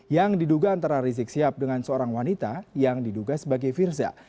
yang diduga antara rizik sihab dengan seorang wanita yang diduga sebagai firza